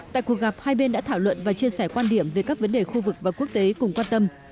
tại cuộc gặp hai bên đã thảo luận và chia sẻ quan điểm về các vấn đề khu vực và quốc tế cùng quan tâm